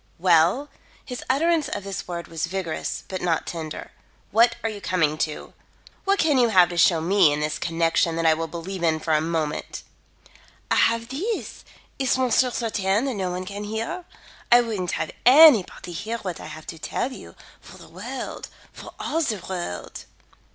"Well?" His utterance of this word was vigorous, but not tender. "What are you coming to? What can you have to show me in this connection that I will believe in for a moment?" "I have these is monsieur certaine that no one can hear? I wouldn't have anybody hear what I have to tell you, for the world for all the world."